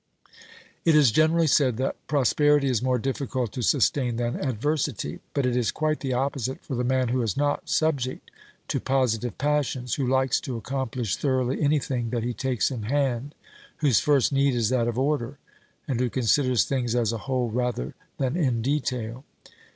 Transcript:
It is generally said that prosperity is more difficult to sustain than adversity, but it is quite the opposite for the man who is not subject to positive passions, who likes to accomplish thoroughly anything that he takes in hand, whose first need is that of order, and who considers things as a whole rather than in detail.